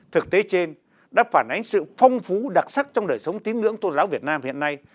thực tế trên đã phản ánh sự phong phú đặc sắc trong đời sống tín ngưỡng tôn giáo việt nam hiện nay